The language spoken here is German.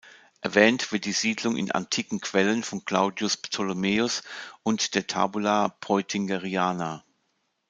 Erwähnt wird die Siedlung in antiken Quellen von Claudius Ptolemäus und der "Tabula Peutingeriana".